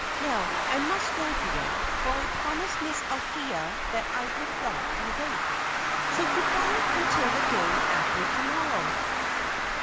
Now I must go, dear, for I promised Miss Althea that I would not be late. So good bye until the day after to morrow."